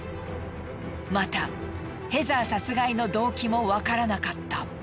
またヘザー殺害の動機もわからなかった。